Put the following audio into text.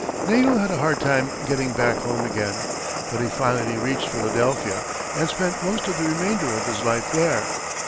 Neagle had a hard time getting back home again, but he finally reached Philadelphia, and spent most of the remainder of his life there.